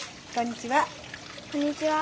こんにちは。